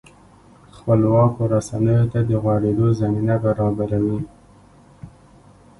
خپلواکو رسنیو ته د غوړېدو زمینه برابروي.